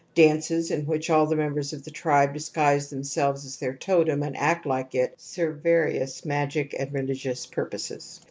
Dances in which all the members of the tribe disguise themselves as their totem and act like it, serve various magic and religious purposes.